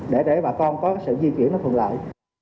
để để bà con có sự di chuyển nó thuận lợi